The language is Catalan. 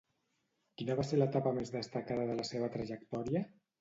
Quina va ser l'etapa més destacada de la seva trajectòria?